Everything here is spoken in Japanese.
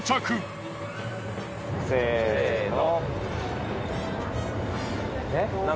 せの！